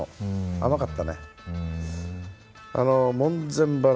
甘かったね。